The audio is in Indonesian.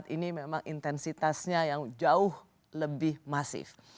dua ribu dua puluh empat ini memang intensitasnya yang jauh lebih masif